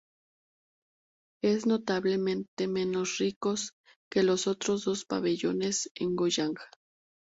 Es notablemente menos ricos que los otros dos pabellones en Goyang.